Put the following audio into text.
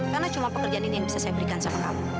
karena cuma pekerjaan ini yang bisa saya berikan sama kamu